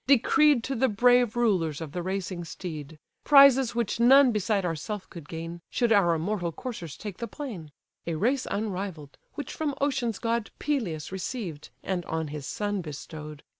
decreed To the brave rulers of the racing steed; Prizes which none beside ourself could gain, Should our immortal coursers take the plain; (A race unrivall'd, which from ocean's god Peleus received, and on his son bestow'd.)